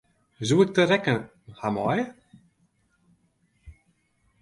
Soe ik de rekken ha meie?